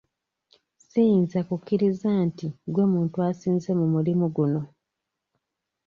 Siyinza kukkiriza nti gwe muntu asinze mu mulimu guno.